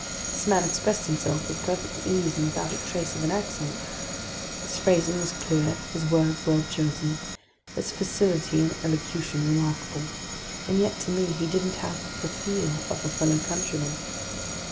This man expressed himself with perfect ease and without a trace of an accent. His phrasing was clear, his words well chosen, his facility in elocution remarkable. And yet, to me, he didn't have "the feel" of a fellow countryman.